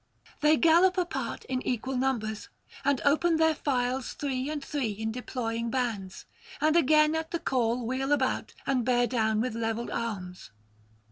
They gallop apart in equal numbers, and open their files three and three in deploying bands, and again at the call wheel about and bear down with levelled arms.